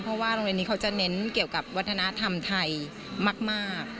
เพราะว่าโรงเรียนนี้เขาจะเน้นเกี่ยวกับวัฒนธรรมไทยมาก